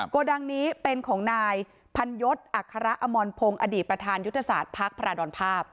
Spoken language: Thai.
โกดังนี้เป็นของนายพันยศอัคระอมรพงศ์อดีตประธานยุทธศาสตร์พักพระราดรภาพ